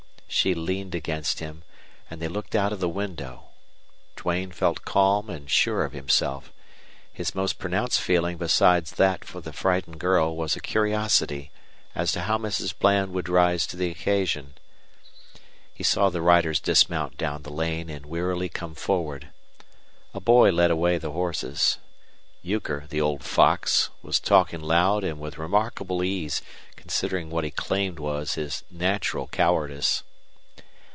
She leaned against him, and they looked out of the window. Duane felt calm and sure of himself. His most pronounced feeling besides that for the frightened girl was a curiosity as to how Mrs. Bland would rise to the occasion. He saw the riders dismount down the lane and wearily come forward. A boy led away the horses. Euchre, the old fox, was talking loud and with remarkable ease, considering what he claimed was his natural cowardice.